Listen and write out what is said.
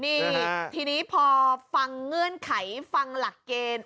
นี่ทีนี้พอฟังเงื่อนไขฟังหลักเกณฑ์